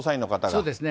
そうですね。